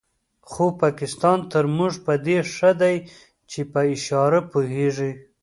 خو پاکستان تر موږ په دې ښه دی چې پر اشاره پوهېږي.